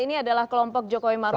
ini adalah kelompok jokowi maruf